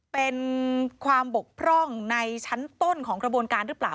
เป็นความบกพร่องในชั้นต้นของกระบวนการหรือเปล่า